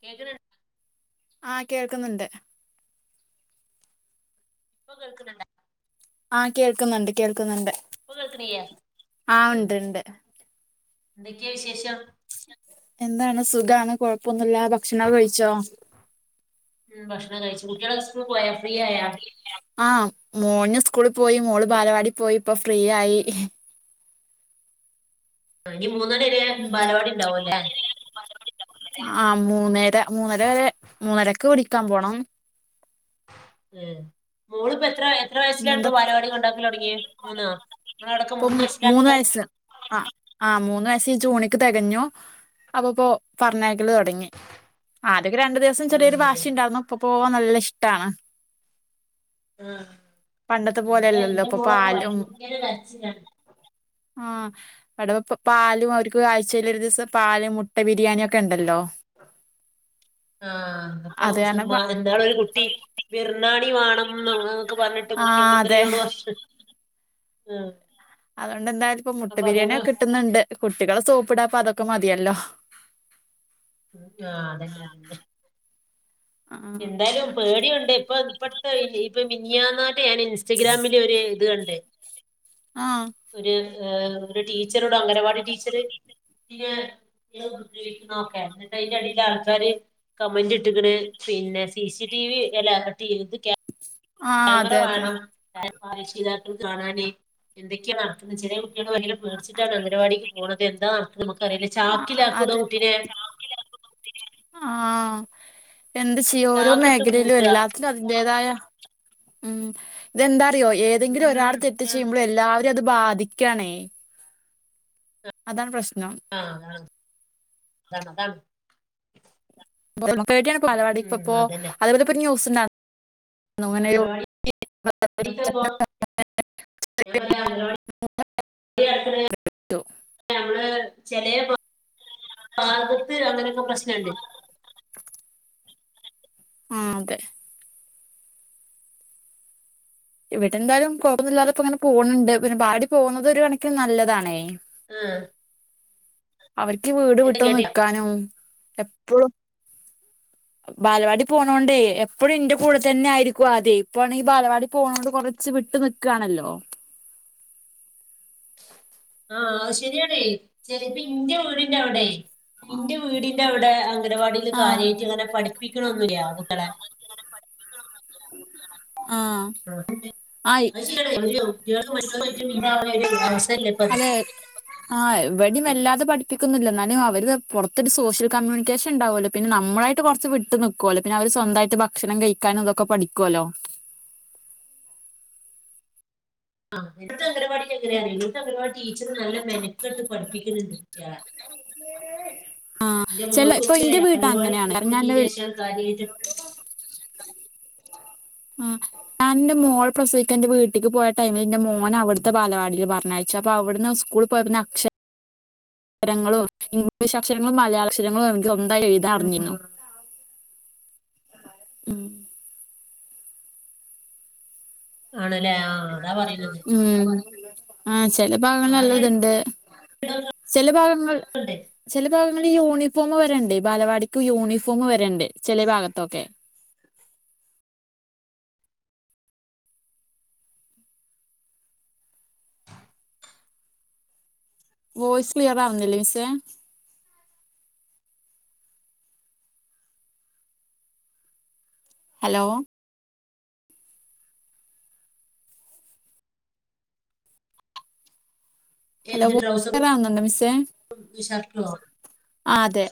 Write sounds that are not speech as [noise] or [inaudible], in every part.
കേക്കണ [unintelligible] ആ കേൾക്കുന്നുണ്ട് ഇപ്പോ കേൾക്ണ്ണ്ടോ ആ കേൾക്കുന്നുണ്ട് കേൾക്കുന്നുണ്ട് ഇപ്പൊ കേൾക്കണില്ലേ ആ ഉം. ഉണ്ട് ണ്ട് എന്തൊക്കെയാ വിശേഷം എന്താണ് സുഖാണ് കൊഴപ്പൊന്നുല്ല ഭക്ഷണക്കേ കഴിച്ചോ ഉം ഭക്ഷണം കഴിച്ചു കുട്ടികളൊക്കേ സ്കൂൾ പോയാ ഫ്രീ ആയാ സ്കൂള് പോയി മോള് ബാലവാടി പോയി ഇപ്പോ ഫ്രീ ആയി ആ ഇനി മൂന്ന് മണി വരെ ബാലവാടി ഇണ്ടാവും ല്ലേ ആ മൂന്നര മൂന്നര വരെ മൂന്നരക്ക് വിളിക്കാൻ പോണം ഉം മോളിപ്പോ എത്ര - ത്ര വയസ്സിലാ ഇപ്പോ എന്താ ബാല വാടി കൊണ്ടാക്കല് തുടങ്ങിയേ മൂന്നോ നിങ്ങളവിടൊക്കെ ഇപ്പൊ മൂന്ന് വയസ്സിലാക്കുക വയസ്സ് ആ ആ മൂന്ന് വയസ് ജൂണി തെകഞ്ഞോ അപ്പപ്പോ പറഞ്ഞ ക്കല് ഉം. തൊടങ്ങി ആദ്യക്കേ രണ്ട് ദിവസം ചെറിയൊരു വാശി ഉം. ഇണ്ടാന്ന് ഇപ്പ പോവാൻ നല്ല ഇഷ്ടാണ് പണ്ടത്തെ എന്റെ പോലെല്ലല്ലോ എന്റെ ഇപ്പൊ മോളൊക്കെ പാലും ഭയങ്കര കരച്ചിലാണ് ആ അവിടെ പാലും അവർക്ക് ആഴ്ചയിൽ ഒരു ദിവസം പാലും മുട്ട ബിരിയാണിയൊക്കെണ്ടല്ലോ [unintelligible] ആ അപ്പൊ [unintelligible] ഇന്നാള് ഒരു കുട്ടി ബിർണാണി വാണം മ്മ് അങ്ങള്ക്കെ പറഞ്ഞിട്ട് ആഹ് അതെ മുഖ്യമന്ത്രിയോട് [unintelligible] ആ അതുകൊണ്ട്ന്തായാ ഇപ്പൊ മുട്ട ബിരിയാണിക്കെ കിട്ടുന്നുണ്ട് കുട്ടികളെ സോപ്പിടാപ്പ അത ക്ക മതിയല്ലോ ആ അതന്നെ അതന്നെ ആഹ് എന്താലും പേടിയൊണ്ട് ഇപ്പ ഇപ്പത്തെ ഇപ്പ മിനിഞ്ഞാന്നാട്ട് ഞാൻ ഇൻസ്റ്റഗ്രാമില് ഒരു ഇത് കണ്ട് ആ ഏ ഒരു ടീച്ചറോട് അംഗനവാടി ടീച്ചറ് കുട്ടിനെ [unintelligible] ഉപദ്രവിക്കണോക്കെ എന്നിട്ട്യിന്റെടി ലാൾക്കാര് കമന്റ് ഇട്ടക്കണ് പിന്നെ സി സി ടിവി അല്ല [unintelligible] ആഹ് ക്യാമറ അതെ അതെ വേണം [unintelligible] കാണാന് എന്തക്കെയാണ് നടക്കുന്ന ചെലെ കുട്ടികള് ഭയങ്കര പേടിച്ചിട്ടാണ് അഗംനവാടിക്ക് പോണുന്നത് എന്താ നമുക്ക് അറിയില്ല ആഹ് ചാക്കില് ആക്കുവെടോ കുട്ടിനെ ആ എന്ത് ചെയ്യോ ഓരോ ചാക്കിട്ട് മേഖലയിലും മൂടുക എല്ലാത്തിലും അതിന്റേതായ ഉം ഇതെന്താറിയോ ഏതെങ്കിലും ഉം ഒരാൾ തെറ്റ് ചെയ്യുമ്പോള്ളല്ലാ [unintelligible] അത് ബാധിക്കാണേ അതാണ് പ്രശ്ന ആഹ കാണണ കാണ റട്ടിയാണ് പാലവാടിപ്പപ്പോൊ അതുപോലെ ഇ ന്യൂസ് ഉണ്ട? നൊങേനെരു [unintelligible] ഇതപ്പ ഞാൻ പറയാ അംഗനവാടി [unintelligible] ചെില ഭാഗത്ത് അങ്ങനെയൊക്കെ പ്രശ്നുണ്ട് ആ അതെ ഇവിടെ എന്തായാലും കൊഴന്നില്ലാതെ ഇപ്പോ അങ്ങനെ പോകണണ്ട് പിന്നെ വാടി പോകുന്നത് ഒരു കണക്കിും നല്ലതാണേ. ആഹ അവർക്ക് വീട് വിട്ടോ നിക്കാനോ എപ്പോളും, ബാലവാടി പോണോണ്ടേ എപ്പോഴും ഇന്റെ കൂടെ തന്നെ ആയിരിക്കും, അതെ ഇപ്പ ആണെങ്കിൽ ബാലവാടി പോണോട് കൊറച്ച് വിട്ട് നിക്കുവാണല്ലോ. ആഹ അത് ശരിയാണേ ചരിപ്പ ഇന്റെയ വീടിന്റെ അവിടെ, ആ ഇന്റെ വീടിന്റെ അവിടെ അംഗനവാടിൽ ആ കാര്യമായിട്ട് അങ്ങനെ പഠിപ്പിക്കണൊന്നില്ലയാ കുട്ടളെ പഠ [unintelligible] ആ ൾ [unintelligible] അതെ ആഹ, എവിടെയും വല്ലാതെ പഠപ്പിക്കുന്നില്ല എന്നാലും അവര് പുറത്തൊരു സോഷ്യൽ കമ്മ്യൂണിക്കേഷൻ ഉണ്ടാാവുമല്ലോ പിന്നെ നമ്മളായിട്ട് കുറച്ച്, വിട്ട് നിക്കല്ലോ പിന്നെ അവർ സ്വന്തമായിട്ട് ഭക്ഷണം കഴിക്കാനും ഇതൊക്കെ പഠിക്കല്ലോ. ആഹ്ത്തെ അങ്കരവാടിങ്ങറ ഇത്തെ അങ്കരവാാടി ടീച്ചർ നല്ല മെനക്കെട്ട് പഠിപ്പിക്ക. അ എന്റെ മോൾക്കൊക്കെ പരിപാടി കാരണം പോക്കൊടുങ്ങീലശാൻ കാര്യത്. അ ആ ഞാൻന്റെ മോൾ പ്രസിക്ക എന്റെ വീട്ടേക്ക് പോയ ടൈമിൽ എന്റെ മോൻ അവിടുത്തെ ബാലവാടിൽ പറഞ്ഞാഴച്ച, അവിടെന്ന് സ്കൂൾ പോയ അക്ഷ അക്ഷരങ്ങളും ഇംഗ്ലീഷ് അക്ഷരങ്ങളും മലയാള അക്ഷരങ്ങളും എനിക്ക്ന്തായി എഴുതാൻ അറിഞ്ഞിരുന്നു. ഉം ആണ ഉം ആഹ ചെില ഭാഗങ്ങൾ കാര്യം നല്ലതുണ്ട്, ചില ഭാഗങ്ങൾ ചില ഭാഗ നമ്മള് യൂണിഫോം വരണ്ട് ബാലവാടിക്ക് യൂണിഫോമ വരണ്ട് ചില ഭാഗത്തൊക്കെ. [inaudible] വോയിസ് ക്ലിയറാവുന്നില്ലേ മിസ്സേ? ഹലോ? എന്ത് ട്രൗസറും ഹലോറുന്നുണ്ടോ മിസ്സ ഷർട്ടുമോ ആ അതെ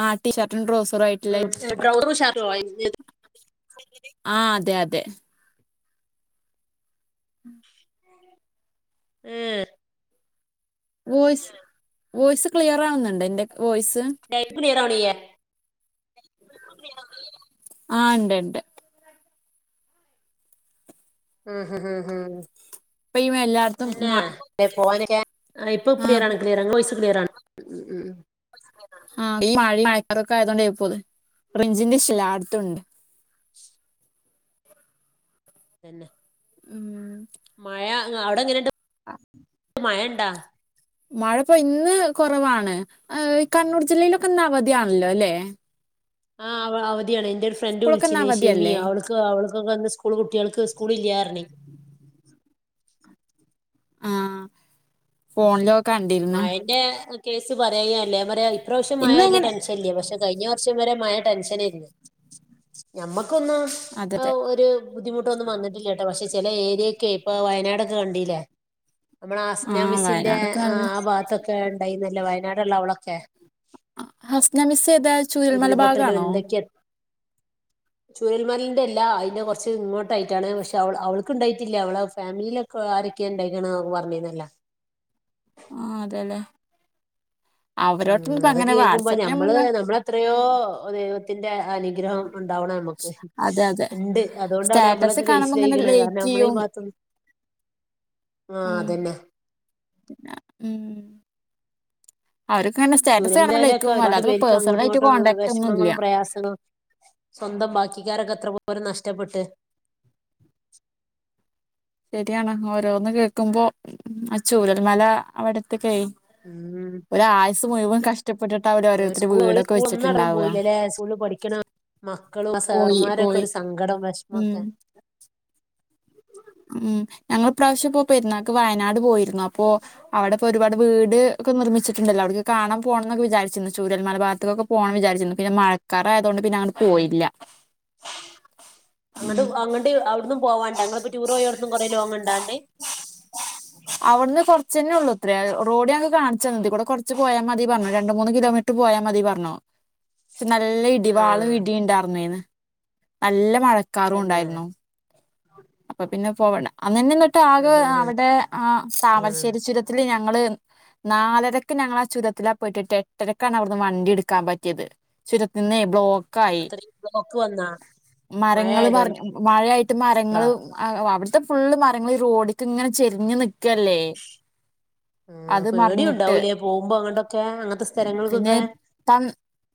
ആ ടീ ഷർട്ടും ട്രോസ ഡൗ സ [unintelligible] ആഹ അതെ അതെ. ഉം ഉം വോയിസ്, വോയിസ് ക്ലിയർ ആവുന്നുണ്ട് എന്റെ വോയിസ്. കുടിയ ആ ഉണ്ട് ഉണ്ട്. ഉം് ഹ ഹം് ഹഹ് ഇപ്പൊ ഈ എല്ലായിടത്തും തന്നെ മ- പോാനൊക്കെ ഇപ്പൊ ആ ക്ലിയർാണ് ക്ലിയർ അങ് വ ക്ലിയർാണ് [unintelligible] ഉം ഉം ഉം ആ ആയതോണ്ട പോയി പോത് റിഞ്ചിന്റെ ശിലാടുത്തുണ്ട് പിന്നെ? ഉം മഴ അവിടെങ്ങനെണ്ട്? ആ മയണ്ടാ മഴപ്പോ ഇന്ന് കുറവാണ്, ഈ കണ്ണൂർ ജില്ലയിലൊക്കെ ഇന്ന് അവധിയാണല്ലോ അല്ലെ? ആഹ് അവ അവ ന്റെരു ഫ്രണ്ട് ഇന്ന് വിളിച്ചിന്നേ ഷെമിയേ. അവധിയല്ലേ അവൾക്ക് അവൾക്കൊക്കെ ന്ന് സ്കൂള് കുട്ട്യാൾക്ക് സ്കൂള്ല്ലാറഞ്ഞേ ആ ഫോണില മയേന്റെ കേസ് പറയുക അല്ല. എന്താറയാ ഇപ്രാവശ്യം മായ വല്യ ഇന്നങ്ങനെ ടെൻഷൻ ഇല്ല്യാ. പക്ഷേ കയിഞ്ഞ വശ്യം വരെ മയ ടെൻഷനേരുന്നു ഞമ്മ ക്കൊന്ന് അതെ അതെ ഒരു ബുദ്ധിമുട്ടൊന്നും വന്നട്ടില്ലട്ടോ പക്ഷേ ചെല ഏരിയൊക്കെ ഇപ്പ വയനാടൊക്കെ കണ്ടീല്ലേ നമ്മള ആസ്നാ ആഹ് മിസിന്റെ വയനാടൊക്കെ ആ നല്ല ആ ഭാഗത്തൊക്കെ ഉണ്ടായിന്നല്ലേ വയനാട്ള്ള അവളൊക്കെ ഹസ്ന മിസ് ഏതാ? ചൂരൽമല ഉരുൾപൊട്ടലും ഭാഗാണോ? ചുരൽമലേന്റെല്ല അയിന്റെ കൊറച്ച് ഇങ്ങോട്ടായിട്ടാണ്. പക്ഷേ അവ അവൾക്ക്ണ്ടായിട്ടില്ല അവളെ ഫാമിലിയിലൊക്കെ ആരക്ക ഇണ്ടായിക്കാണ്ന്നൊക്കെ പറഞ്ഞിന്നല്ലോ ആ അതേല്ലേ? ഉം അതൊക്കെ അവരോട്ടന്ന്പ്പങ്ങനെ കേൾക്കുമ്പോ വാട്സആപ്പിൽ നമ്മൾന്ന്‌ ന്റെ അനുഗ്രഹം ഉണ്ടാവണം ഞമുക്ക്. അതെ അതെ ഇണ്ട് അതുകൊണ്ടാണ് സ്റ്റാറ്റസ് നമ്മളൊക്കെ കാണുമ്പോ ഇങ്ങനെ കയ്ച്ച്ലായിക്ക്ണ് ലൈക്ക് കാരണം ലേ ചെയ്യും ഭാത്ത്ന്ന്‌ ഉം ആ ഉം അവരൊക്കെ ഇങ്ങനെ സ്റ്റാറ്റസ് കാണുമ്പോ ചുരൽമലേലോക്കെ ലൈക്കും ഒരാട് അല്ലാതെ പേർക്ക് അങ്ങോട്ടും പേഴ്സണലായിട്ട് ഇങ്ങോട്ടും കോൺടാക്ട് ഒന്നും ഇല്ല വിഷമങ്ങളും പ്രയാസങ്ങളും സ്വന്തം ബാക്കിക്കാരൊക്കെ എത്ര പോലും നഷ്ടപ്പെട്ട് ശരിയാണ് ഓരോന്ന് കേൾക്കുമ്പോ അ ചൂരൽമല അവിടത്തെ അയ് ആയുസ് മുയുവൻ കഷ് സ്കൂള് ഒരു സ്കൂൾ ഒന്നടങ്ങൻ പോയില്ലേ അല്ലേ? സ്കൂളിൽ പഠിക്കണ മക് ആ പോയി സാർമാരൊക്കെ പോയി ഒരു സങ്കടോം ഉം വെഷമൊക്കെ ഉം. ഞങ്ങൾ ഇപ്രാവശ്യപ്പോ പെരുന്നാക്ക് വയനാട് പോയിരുന്നു. അപ്പോ അവടെ ഒരുപാട് വീട് ഒക്ക നിർമ്മിച്ചിട്ട്ണ്ടല്ലോ. അവിടുക്ക് കാണാൻപോണംന്നൊക്കെ വിചാര്ച്ചരുന്നു. ചൂരൽമല ഭാഗത്തൊക്കെ പോണം വിചാരിച്ചിരുന്നു ഇപ്പോ മഴക്കാറായതോണ്ട് പിന്നെ അങ്ങട് പോയില്ല. ഉം പോവാണ്ടാ ങ്ങള്പ്പ ടൂറോയോടത്ത്ന്നും കൊറേ ലോങ് ഇണ്ടോ അങ്ങട്? ന്നെള്ളൂത്രേ റോഡ് ഞങ്ങക്ക് കാണിച്ചന്നു. ഇതി കൂടെ കൊറച്ച് പോയാ മതി പറഞ്ഞു. രണ്ട് മൂന്ന് കിലോമീറ്ററ് പോയാമതി പറഞ്ഞു. [inaudible] നല്ല ഇടിവാളും ആഹ് ഇടിയും ഇണ്ടാർന്നേന്ന്‌. നല്ല മഴക്കാറും തന്നെ ഉണ്ടായിരുന്നു. അപ്പ പിന്നെ പോവണ്ട അന്നന്നെ ഇന്നിട്ട് ആകെ ആഹ് ആഹ് അവടെ ആ ആഹ് താമരശ്ശേരി ചുരത്തില് ഞ ങ്ങള് നാലരക്ക് ഞങ്ങളാ ആ ചുരത്തിലാ പെട്ടിട്ട് എട്ടരക്കാണ് അവിടുന്ന് വണ്ടി എടുക്കാൻ പറ്റിയത് ചുരത്തിന്നേ ബ്ലോക്ക് ക്കായി അത്രയും ബ്ലോക്ക് വന്നാ മഴ മരങ്ങള് പറഞ്ഞ ആയതോണ്ടാ മഴ മരങ്ങള് അവിടുത്തെ ഫുള്ള് മരങ്ങള് ഈ റോഡിക്ക് ഇങ്ങനെ ചെരിഞ്ഞ് നിക്കല്ലേ ആ അത് പേടിം മറിഞ്ഞിട്ട് ഉണ്ടാവൂല്ലേ? പോവുമ്പോ അങ്ങടൊക്കെ അങ്ങത്തെ പിന്നെ സ്ഥലങ്ങൾക്കൊക്കെ പ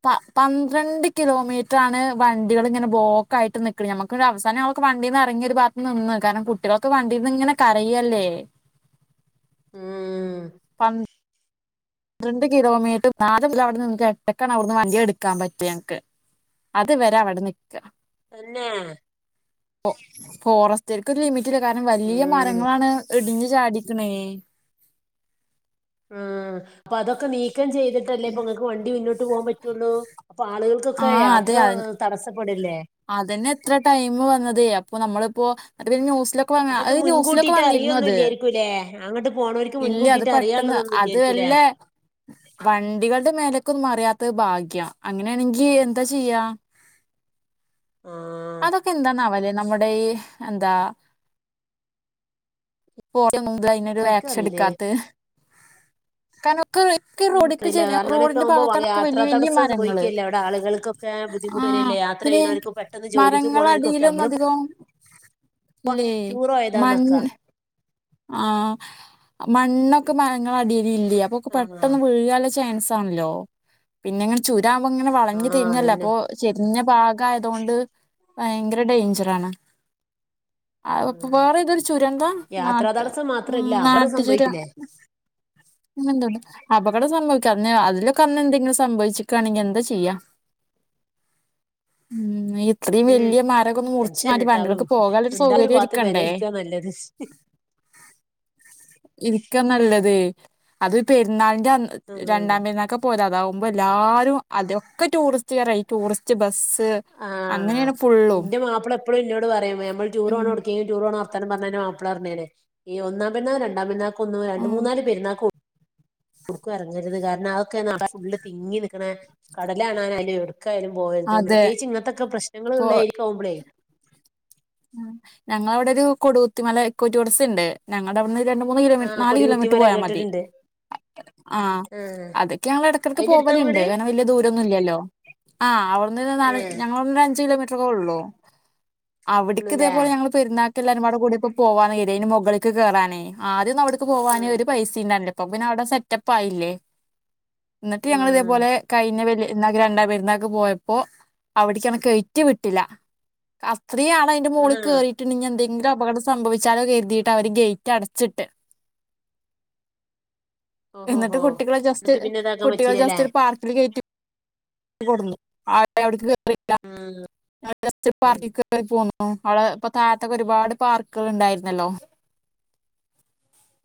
പ പന്ത്രണ്ട് കിലോമീറ്റർ ആണ് വണ്ടികൾ ഇങ്ങനെ ബ്ലോക്ക്‌ ആയിട്ട് നിക്കണ്. ഞമ്മക്ക്ങ്ങട് അവസാന ആവു വണ്ടീന്ന് എറങ്ങിയൊരു ഭാഗത്ത് നിന്ന് കാരണം കുട്ടികളൊക്കെ വണ്ടീന്ന് ഇങ്ങനെ കരയല്ലേ? ഊം പം ന്ത്രണ്ട് കിലോമീറ്റർ നാ [unintelligible] അവിടന്ന്‌ ന്നട്ട് എട്ടരക്കാണ് അവിടുന്ന് വണ്ടിയടുക്കാൻ പറ്റ്യേ ഞങ്ങക്ക്. അത് വരാ അവടെ നി തന്നെ ഫോ ഫോറസ്റ്റ്കാർക്ക് ഒര് ലിമി കാരണം വലിയ ഉം മരങ്ങളാണ് ഇടിഞ്ഞു ചാടീക്കണേ. ആ അപ്പൊ അതൊക്കെ നീക്കം ചെയ്തിട്ടല്ലേ ഇപ്പൊ നിങ്ങക്ക് വണ്ടി മുന്നോട്ട് പോവാൻ പറ്റുള്ളൂ അപ്പൊ ആളുകൾക്കൊക്കെ ആഹ് യാത്ര അതെ അ തടസ്സപ്പെടില്ലേ..? അതന്നെ എത്ര ടൈം വന്നതേ അപ്പൊ നമ്മളിപ്പോ ലൊക്കെ വന്ന് അപ്പൊ ഇത് അത് ന്യൂസ്‌ലൊക്കെ മുൻകൂട്ടിട്ട് അറിയൊന്നും വന്നീര്ന്നത്. ഇല്ലായിരിക്കൂല്ലേ അങ്ങോട്ട് പോണോർക്ക് ഇല്ല്യ അത് മുൻകൂട്ടിട്ട് പെട്ടെന്ന് അറിയാനുള്ളതൊന്നും അത് ഇല്ലായിരിക്കൂല്ലേ ല്ലേ വണ്ടികളുടെ മേലക്കൊന്നും മറിയാത്ത ത് ഭാഗ്യം അങ്ങനെയാണെങ്കി എന്താ ചെയ്യാ ആ അതൊക്കെന്താന്നാവല്ലേ? നമ്മുടെ ഈ എന്താ പോർ ന്താ അയ്നൊരു എനിക്കറിയില്ലേ ആക്ഷനെടുക്കാത്? ത് കാരണോ ക്കെ ഈ റോഡ്ക്ക് എനിക്കറിയില്ല ചേര്യാ കാരണം അങ്ങനൊക്കെ റോഡിന്റെ ആകുമ്പോ ഭാഗത്താണക്കെ വല്യ യാത്രാ വല്യ തടസ്സം മരങ്ങള്. സംഭവിക്കല്ലേ അവിടെ ആളുകൾക്കൊക്കെ ആ ബുദ്ധിമുട്ട് ആ വരില്ലേ യാത്ര പിന്നെ ചെയ്യണവർക്ക് പെട്ടെന്ന് ജോലിക്ക് പോണവർക്കൊക്കെ മരങ്ങളടിയിലൊന്നും നമ്മള് അധികോം ല്ലേ ടൂർ മണ്ണ് പോയതാന്നൊക്കെ ആ മണ്ണൊക്കെ മരങ്ങളടിയിലില്ലേ അപ്പൊ ആ പെട്ടന്ന് വീഴാല്ലേ ചാ ചാൻസ് ആണല്ലോ പിന്നെങ്ങനെ ചുര് താകുമ്പോ ഇങ്ങനെ ആ വളഞ്ഞ് തിരിഞ്ഞല്ലോ അതന്നെ അപ്പൊ ചെരിഞ്ഞ ഭാഗ ആയതുകൊണ്ട് ഭയങ്കര ഡേഞ്ചറാണ് ആ അതൊക്കെപ്പാടെ ഇതൊരു ചുരംന്താ യാത്രാ നട്ട തടസ്സം മാത്രല്ല അവിടെ സംഭവിക്കില്ലേ െണ്ട് അപകടം സംഭവിക്കാം അ അതിലൊക്കെ അന്നു എന്തെങ്കിലും സംഭവിച്ചിക്കുകയാണെങ്കിൽ എന്താ ചെയ്യ ഉ ഇത്രയും ഉം വലിയ മരഒക്കെ മുറിച്ചു ടെൻഷൻ മാറ്റി ഉണ്ടാവും വണ്ടികൾക്ക് പോകാനരു ഉണ്ടാ ഒരു സൗകര്യം പാത്ത് പെരേ ഒരുക്കണ്ടേ ഇരിക്കാ നല്ലത് ഇരിക്ക നല്ലത് അത് പെരുന്നാളിന്റെ ആ രണ്ടാം പെരുന്നാൾക്കെ പോവല്ല് അതാവ മുമ്പ് എല്ലാരും അതൊക്കെ ടൂറിസ്റ്റുകാരായി ടൂറിസ്റ്റ് ബസ്സ് ആഹ അങ്ങനെയാണ് ഫുള്ളും എന്റെ മാപ്പിള എപ്പോഴും ഇന്നോട് പറയുംം ഞമ്മൾ ഉം ടൂറോണം എടുക്കെങ്കിലും ടൂർ മം പറഞ്ഞ മാപ്പള പറെ ഈ ഒന്നാം പിന്ന രണ്ടാം പിന്നാക്കും ഒന്ന് രണ്ട് ഉം മൂന്നാല് പെുന്ന കൊടുക്കും ഇറങ്ങരുത് കാരണം അതൊക്കെ ന ഫുള് തിങ്ങി നിക്കണ കടലാണൻാലും എടുക്കും ഒക്ക ആാലും പോയരുത് അതെ പ്രത്യേകിച്ച് ഇങ്ങത്തത്തെക്കെ പ്രശ്നൾ ഇപ്പൊ ഉള്ളായിരിക്കാവവുമ്പോളേ ഞങ്ങളവിടെ ഒരു കൊടുത്തിമല ഇക്കോ ടൂറിസം ഉണ്ട് ഞങ്ങളുടെ അവിടു രണ്ട മൂന്ന് കിലോമീറ്റർ ആഹ് നാല് കിലോമീറ്റർ കൊടികുത്തിമരം പോയാൽ മതി.. കേട്ടിട്ടുണ്ട് ആഹ ആഹ് അതൊക്കെ ഞങ്ങ ഇടക്കിടക്ക് പോ അയിന്റെ അടുത്താ പോലെുണ്ട് വീട് കാരണം വലിയ ദൂരൊന്നുംല്ലല്ലോ ആഹ അവിടുന്ന് നാ ഏഹ് ഞ അഞ്ച് കിലോമീറ്റ അത്ര ഒള്ളൂ അവിടേക്ക് ഇതേ ഉള്ളൂല്ലേ പോലെ പെരുന്നാക് എ എല്ലരോട് കൂടിപ്പ പോവാ കതിന് മുകളിൽക്ക് കേയറാനേ ആം അവിടുക്ക് പോവാനാന് ഉം ഒരു പൈസ ഉണ്ടല്ല ഇപ്പൊ ടെ സെറ്റപ്പയില്ലേ എന്നിട്ട് ഞങ്ങ ഉം ഇതേപോലെ കഴിങ്ങ വലി എന്നെ രണ്ടാം പേരുന്നക്ക്െ പോയപ്പോ അവിടക്ക്ന്ന കയറ്റി വിട്ടില്ല ഇത്രയും ആൾ അതിന്റെ മുകളിൽ ആഹ് കയറിട്ടു എന്തങ്കും ഭയങ്കര അപകടം സംഭവിച്ചാലോ കരുതിയിട്ട് അവര് ഗേറ്റ് അടച്ചിട്ട് എന്നിട്ട് ഓഹോഹോ കുട്ടികളെ ജസ്റ്റ് ന്നട്ട് പിന്നെ ഇതാക്കാൻ കുട്ടികളെ പറ്റീലല്ലേ ജസ്റ്റ് പാർക്കിൽ കയറ്റി [unintelligible] ഉ അവടെ ഉം ഇപ്പൊ താഴത്തൊക്കെ ഒരുപാട് പാർക്കൾ ഉണ്ടായിരുന്നല്ലോ